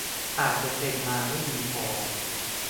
อาจจะเทรนมาไม่ดีพอ